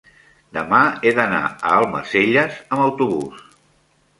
demà he d'anar a Almacelles amb autobús.